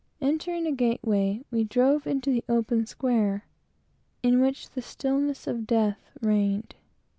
Entering a gate way, we drove into the open square, in which the stillness of death reigned.